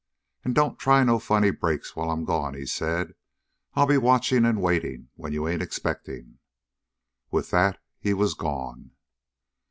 And don't try no funny breaks while I'm gone," he said. "I'll be watching and waiting when you ain't expecting." With that he was gone.